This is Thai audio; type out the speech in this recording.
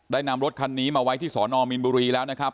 นำรถคันนี้มาไว้ที่สอนอมีนบุรีแล้วนะครับ